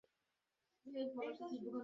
আর দইটা যে কী চমৎকার জমিয়াছে সে আর কী বলিব।